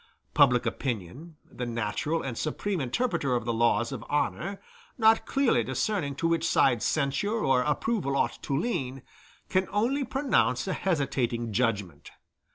Public opinion, the natural and supreme interpreter of the laws of honor, not clearly discerning to which side censure or approval ought to lean, can only pronounce a hesitating judgment.